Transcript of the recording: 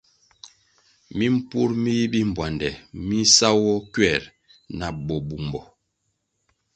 Mimpur mi yi bimbpuande mi sawoh kuer na bo bumbo.